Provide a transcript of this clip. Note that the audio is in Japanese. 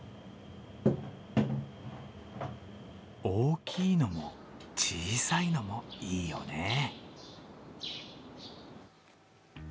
大きいのも小さいのもいいよね。